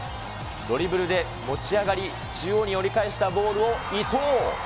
ドリブルで持ち上がり、中央に折り返したゴールを伊東。